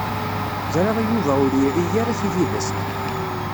Ẓriɣ Yuba ur iri ara tibidest.